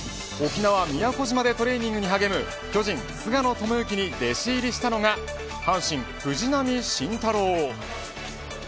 沖縄、宮古島でトレーニングに励む巨人、菅野智之に弟子入りしたのが阪神、藤浪晋太郎。